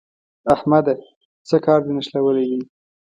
احمده! څه کار دې نښلولی دی؟